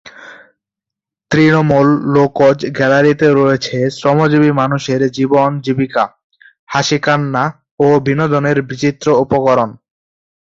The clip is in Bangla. তৃণমূল লোকজ গ্যালারিতে রয়েছে শ্রমজীবী মানুষের জীবন জীবিকা, হাসি কান্না ও বিনোদনের বিচিত্র উপকরণ।